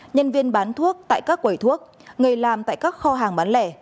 nhân viên bán thuốc tại các quầy thuốc người làm tại các kho hàng bán lẻ